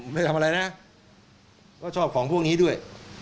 ไม่ทำอะไรนะก็ชอบของพวกนี้ด้วย